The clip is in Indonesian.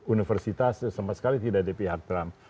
universitas sama sekali tidak di pihak trump